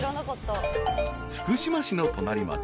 ［福島市の隣町